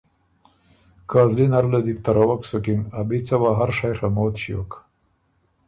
که زلی نره له دی بو تَرَوَک سُکِن، ا بی څه وه هر شئ ڒموت ݭیوک۔